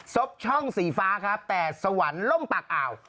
บช่องสีฟ้าครับแต่สวรรค์ล่มปากอ่าว